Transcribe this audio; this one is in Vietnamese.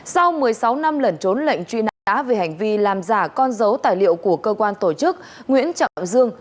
sau một mươi sáu năm lẩn trốn lệnh truy nã về hành vi làm giả con dấu tài liệu của cơ quan tổ chức nguyễn trọng dương